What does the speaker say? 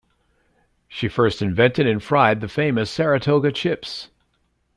She first invented and fried the famous Saratoga Chips.